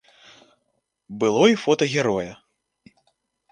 Было і фота героя.